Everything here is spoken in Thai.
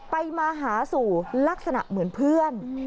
ไปมาหาสู่ลักษณะเหมือนเพื่อน